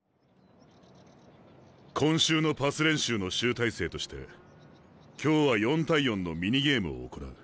今週のパス練習の集大成として今日は４対４のミニゲームを行う。